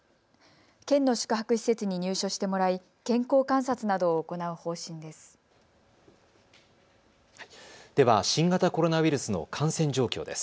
県の宿泊施設に入所してもらい健康観察などを行う方針です。